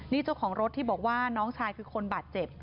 นี่เจ้าของรถที่บอกว่าน้องชายคือคนบาดเจ็บ